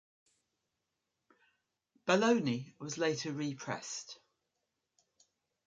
"Baloney" was later re-pressed.